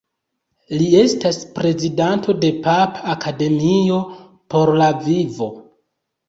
Li estas prezidanto de Papa Akademio por la vivo.